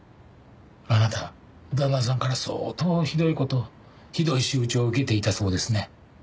あなた旦那さんから相当ひどい事をひどい仕打ちを受けていたそうですね。